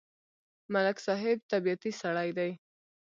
ملک صاحب طبیعتی سړی دی.